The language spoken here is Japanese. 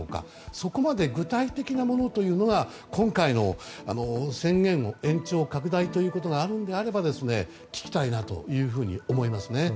そこまで具体的なものというのが今回の、宣言の延長、拡大ということがあるんであれば聞きたいなというふうに思いますね。